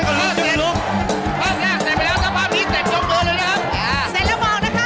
คว้าไหวมากอันนี้คว้าไหวมาก